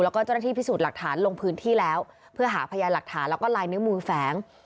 แล้วก็เจ้าหน้าที่พิสูจน์หลักฐานลงพื้นที่แล้วเพื่อหาพยานหลักฐานแล้วก็ลายนิ้วมือแฝง